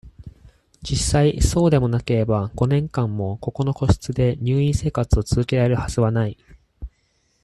実際、そうでもなければ、五年間も、ここの個室で、入院生活を続けられるはずはない。